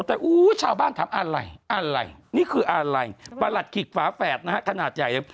แต่ชาวบ้านทำอะไรอะไรนี่คืออะไรประหลักขิกฟ้าแฝดนะธนาจใหญ่